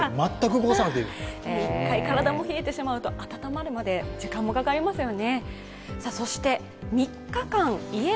体も冷えてしまうと温まるまで時間もかかりますよね。